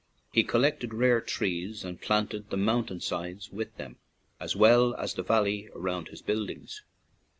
He col lected rare trees and planted the moun tain sides with them, as well as the valley round his buildings.